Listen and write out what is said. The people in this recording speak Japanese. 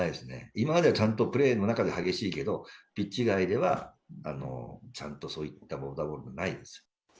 今まではちゃんとプレーの中で激しいけど、ピッチ外ではちゃんと、そういった問題行動はないです。